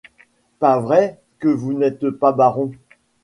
Pas vrai que vous n’êtes pas baron?